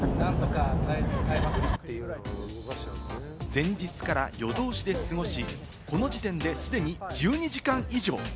前日から夜通しで過ごし、この時点で既に１２時間以上。